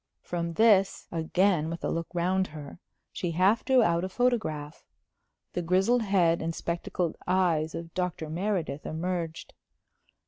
From this again with a look round her she half drew out a photograph. The grizzled head and spectacled eyes of Dr. Meredith emerged.